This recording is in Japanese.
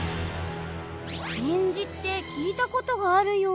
源氏って聞いた事があるような。